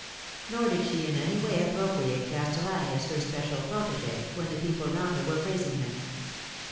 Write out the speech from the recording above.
Nor did she in any way appropriate Castellani as her special protege when the people round her were praising him.